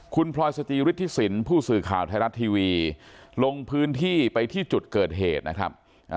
คุณพลอยสจิฤทธิสินผู้สื่อข่าวไทยรัฐทีวีลงพื้นที่ไปที่จุดเกิดเหตุนะครับ